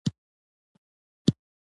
ستوري د شپې اسمان ته ښکلا ورکوي.